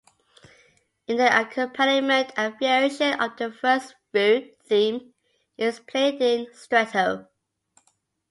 In the accompaniment, a variation of the first fugue theme is played in stretto.